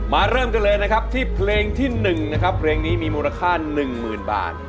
เริ่มกันเลยนะครับที่เพลงที่๑นะครับเพลงนี้มีมูลค่า๑๐๐๐บาท